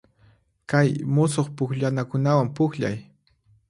Kay musuq pukllanakunawan pukllay.